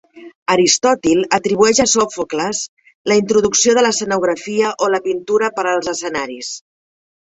Aristòtil atribueix a Sòfocles la introducció de l"escenografia o la pintura per als escenaris.